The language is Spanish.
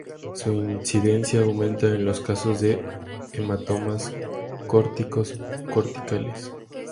Su incidencia aumenta en los casos de hematomas córtico-subcorticales.